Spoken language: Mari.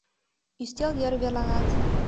Ӱстел йыр верланат.